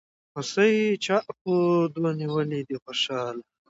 هوسۍ چا په دو نيولې دي خوشحاله